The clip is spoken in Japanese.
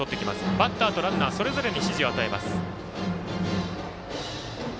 バッターとランナーそれぞれに指示を与えます。